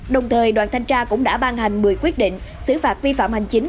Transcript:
đồng thời đoàn thanh tra cũng đã ban hành một mươi quyết định xử phạt vi phạm hành chính